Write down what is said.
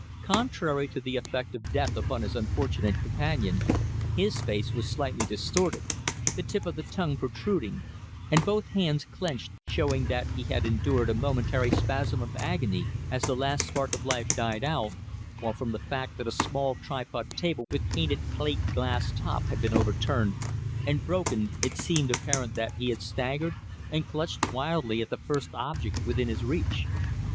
Contrary to the effect of death upon his unfortunate companion, his face was slightly distorted, the tip of the tongue protruding, and both hands clenched, showing that he had endured a momentary spasm of agony as the last spark of life died out, while from the fact that a small tripod table with painted plate glass top had been overturned and broken it seemed apparent that he had staggered and clutched wildly at the first object within his reach.